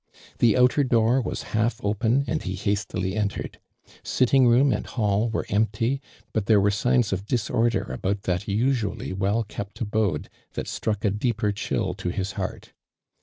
The outer door was half open and he hastily entered. Sitting room and hall were empty, but there were signs of disorder about that usually well kept abode that struck a deeper chill to his heart.